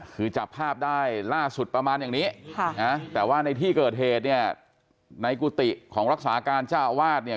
คือจับภาพได้ล่าสุดประมาณอย่างนี้แต่ว่าในที่เกิดเหตุเนี่ยในกุฏิของรักษาการเจ้าอาวาสเนี่ย